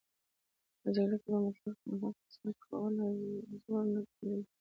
په جرګه کې به مطلق توافق فیصله کوله، زور نه کېدلو.